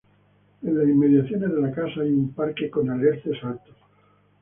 En las inmediaciones de la casa hay un parque con alerces altos.